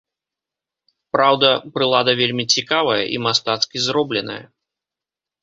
Праўда, прылада вельмі цікавая і мастацкі зробленая.